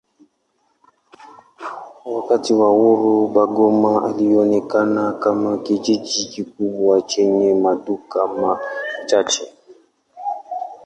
Wakati wa uhuru Bungoma ilionekana kama kijiji kikubwa chenye maduka machache.